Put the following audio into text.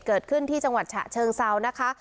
เกิดขึ้นที่จังหวัดฉะเชิงเซานะคะ